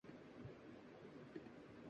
ہر جگہ پلاسٹک کی بھرمار ہے۔